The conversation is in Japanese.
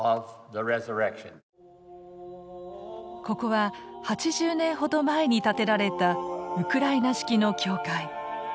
ここは８０年ほど前に建てられたウクライナ式の教会。